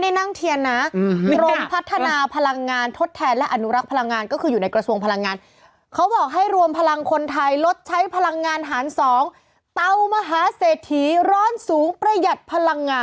เดี๋ยวก่อนอันนี้ไม่ได้นั่งเทียนนะ